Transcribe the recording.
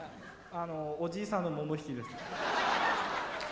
おじいさんのももひきです。